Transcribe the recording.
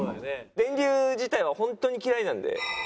電流自体が本当に嫌いなんで。